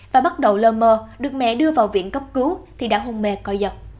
và bắt đầu lơ mơ được mẹ đưa vào viện cấp cứu thì đã hôn mê co giật